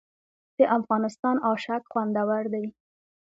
د افغانستان اشک خوندور دي